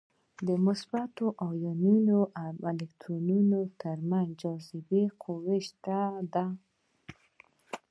د مثبتو ایونونو او الکترونونو تر منځ جاذبې قوه شته ده.